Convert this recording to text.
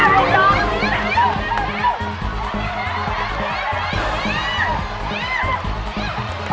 ไปออกไป